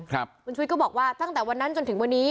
คุณชุวิตก็บอกว่าตั้งแต่วันนั้นจนถึงวันนี้